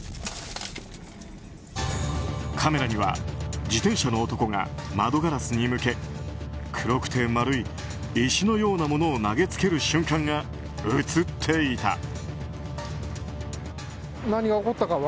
カメラには自転車の男が窓ガラスに向け黒くて丸い石のようなものを投げつける瞬間が映っていた。